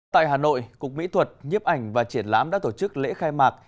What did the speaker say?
tại hà nội cục mỹ thuật nhiếp ảnh và triển lãm đã tổ chức lễ khai mạc